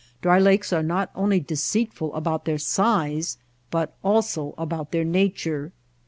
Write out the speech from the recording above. Dry lakes are not only deceit ful about their size, but also about their nature.